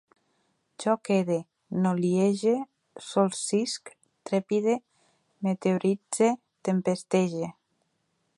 Jo quede, noliege, solsisc, trepide, meteoritze, tempestege